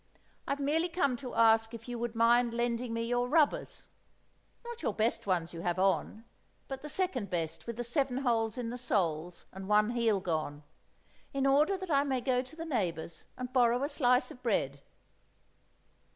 I've merely come to ask if you would mind lending me your rubbers—not your best ones you have on, but the second best with the seven holes in the soles and one heel gone—in order that I may go to the neighbours and borrow a slice of bread.